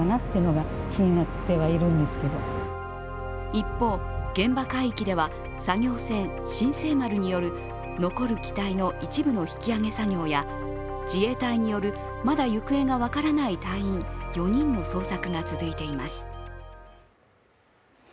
一方、現場海域では作業船「新世丸」による残る機体の一部の引き揚げ作業や、自衛隊による、まだ行方が分からない隊員４人の捜索が続いています。